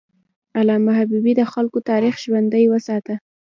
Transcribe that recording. علامه حبیبي د خلکو تاریخ ژوندی وساته.